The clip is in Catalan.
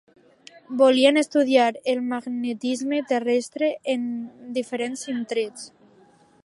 Volien estudiar el magnetisme terrestre en diferents indrets.